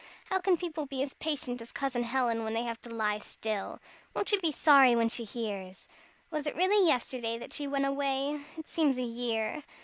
How can people be as patient as Cousin Helen when they have to lie still? Won't she be sorry when she hears! Was it really yesterday that she went away? It seems a year.